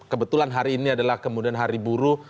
kebetulan hari ini adalah kemudian hari buruh